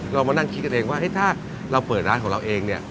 เรามานั่งคิดกันเองว่าถ้าเราเปิดร้านของเราเองเนี่ย